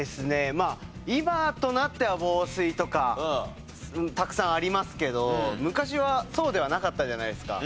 まあ今となっては防水とかたくさんありますけど昔はそうではなかったじゃないですか。